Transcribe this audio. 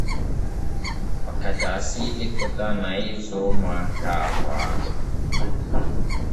ọkachasị ilekọta na ịzụ ụmụaka abụọ ahụ